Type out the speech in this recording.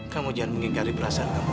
kamu jangan mengingat perasaan kamu